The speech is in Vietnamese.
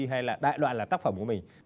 hay là đại đoạn là tác phẩm của mình